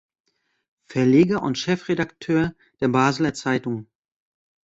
Verleger und Chefredaktor der Basler Zeitung.